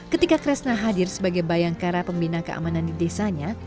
ketika kresna hadir sebagai bayangkara pembina keamanan di desanya